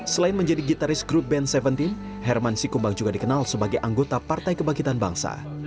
selain menjadi gitaris grup band tujuh belas herman sikumbang juga dikenal sebagai anggota partai kebangkitan bangsa